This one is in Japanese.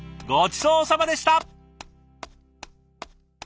ごちそうさまでした！